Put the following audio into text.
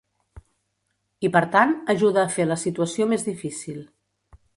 I per tant, ajuda a fer la situació més difícil.